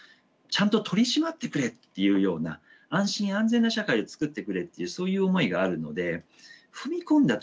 ちゃんと取り締まってくれっていうような安心安全な社会をつくってくれっていうそういう思いがあるので踏み込んだ